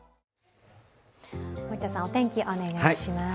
森田さん、お天気、お願いします。